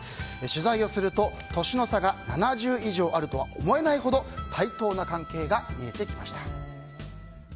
取材をすると年の差が７０以上あるとは思えないほど対等な関係が見えてきました。